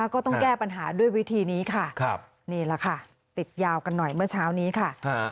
ก็ต้องแก้ปัญหาด้วยวิธีนี้ค่ะนี่แหละค่ะติดยาวกันหน่อยเมื่อเช้านี้ค่ะ